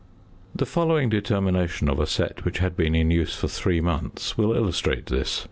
The following determinations of a set which had been in use for three months will illustrate this.